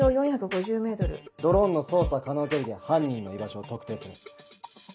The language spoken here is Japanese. ドローンの操作可能距離で犯人の居場所を特定する。